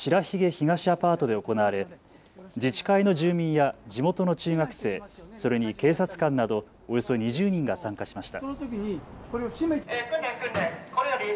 東アパートで行われ自治会の住民や地元の中学生、それに警察官などおよそ２０人が参加しました。